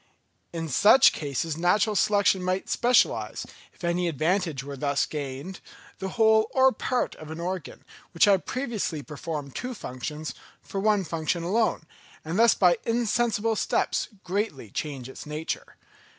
In such cases natural selection might specialise, if any advantage were thus gained, the whole or part of an organ, which had previously performed two functions, for one function alone, and thus by insensible steps greatly change its nature.